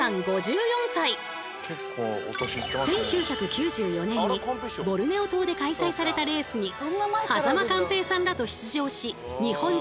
１９９４年にボルネオ島で開催されたレースに間寛平さんらと出場し日本人初完走！